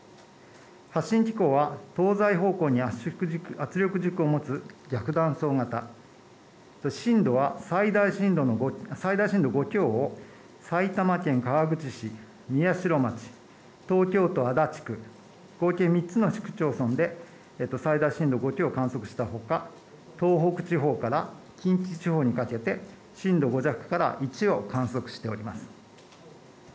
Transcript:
発震機構は東西方向に圧力軸を持つ逆断層型、震度は最大震度５強を埼玉県川口市、宮代町、東京都足立区、合計３つの市区町村で最大震度５強を観測したほか東北地方から近畿地方にかけて震度５弱から１を観測しております。